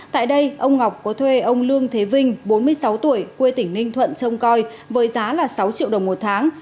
tại đây ông ngọc có thuê ông lương thế vinh bốn mươi sáu tuổi quê tỉnh ninh thuận trông coi với giá là sáu triệu đồng một tháng